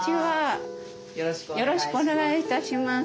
よろしくお願いします。